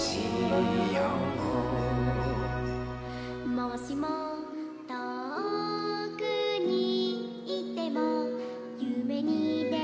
「もしもとおくにいってもゆめにでてきてくれるかな？」